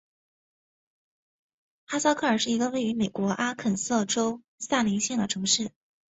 哈斯克尔是一个位于美国阿肯色州萨林县的城市。